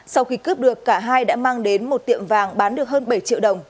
sau khi cướp được cả hai đã mang đến một tiệm vàng bán được hơn bảy triệu đồng